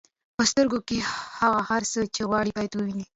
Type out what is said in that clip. په سترګو کې هغه هر څه چې غواړئ باید ووینئ.